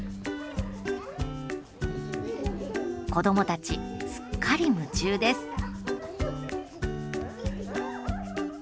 子どもたち、すっかり夢中です。